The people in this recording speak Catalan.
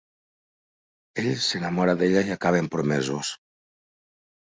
Ell s'enamora d'ella i acaben promesos.